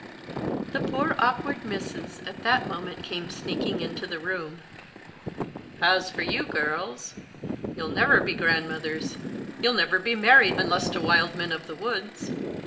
The poor awkward Misses at that moment came sneaking into the room: "As for you, girls, you'll never be grandmothers; you'll never be married, unless to wild men of the woods.